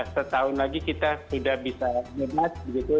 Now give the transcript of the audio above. setahun lagi kita sudah bisa bebas begitu